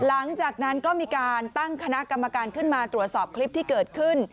หลังจากนั้นก็มีการตั้งคณะกรรมการขึ้นมาตรวจสอบคลิปที่เกิดขึ้น